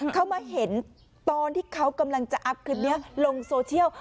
เขามาเห็นตอนที่เขากำลังจะอัพคลิปนี้ลงโซเชียล